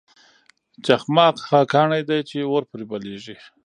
چخماق هغه کاڼی دی چې اور پرې بلیږي.